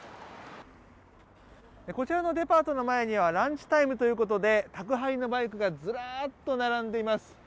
こちらのデパートの前にはランチタイムということで宅配のバイクがずらっと並んでいます。